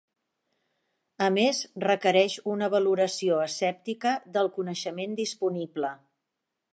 A més, requereix una valoració escèptica del coneixement disponible.